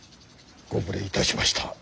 ご無礼いたしました。